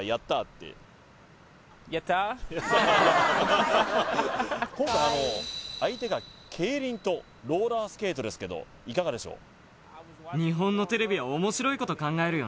何か今回相手がケイリンとローラースケートですけどいかがでしょう？